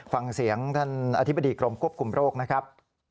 ฟังเสียงท่านอธิบดีกรมควบคุมโรคนะครับ